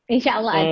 insya allah ada